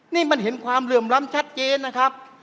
นี่มันเห็นความเหลื่อมล้ำชัดเจนนะครับ